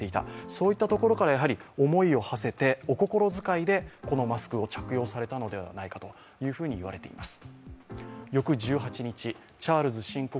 そういったところから思いを馳せて、お心遣いでこのマスクを着用されたのではないかといわれています。